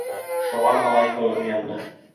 Шуға малай һуң уянды.